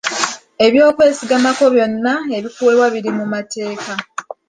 Eby'okwesigamako byonna ebikuweebwa biri mu mateeka.